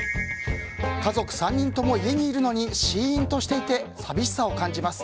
家族３人とも家にいるのにしーんとしていて寂しさを感じます。